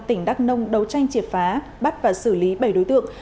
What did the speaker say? tỉnh đắk nông đấu tranh triệt phá bắt và xử lý bảy đối tượng